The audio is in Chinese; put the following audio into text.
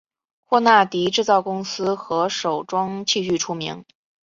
霍纳迪制造公司和手装器具出名。